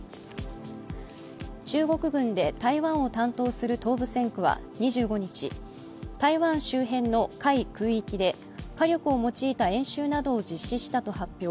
中国軍で台湾を担当する東部戦区は２５日、台湾周辺の海、空域で火力を用いた演習などを実施したと発表。